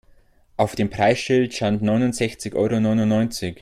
Auf dem Preisschild stand neunundsechzig Euro neunundneunzig.